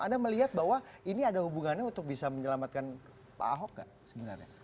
anda melihat bahwa ini ada hubungannya untuk bisa menyelamatkan pak ahok nggak sebenarnya